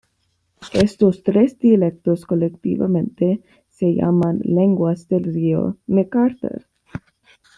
Estos tres dialectos colectivamente se llaman lenguas del río McArthur.